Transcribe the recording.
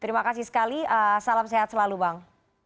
terima kasih sekali salam sehat selalu bang